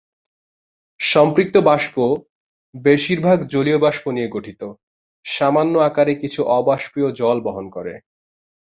সম্পৃক্ত বাষ্প, বেশিরভাগ জলীয় বাষ্প নিয়ে গঠিত, সামান্য আকারে কিছু অবাষ্পীয় জল বহন করে।